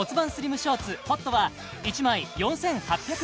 ショーツＨＯＴは１枚４８００円